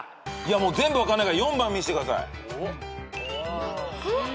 もう全部分かんないから４番見してください。